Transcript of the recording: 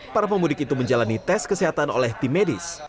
para pemudik itu menjalani tes kesehatan oleh tim medis